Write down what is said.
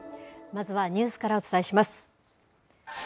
まずはニュースからお伝えします。